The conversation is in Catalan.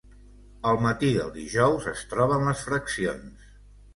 El matí del dijous es troben les fraccions.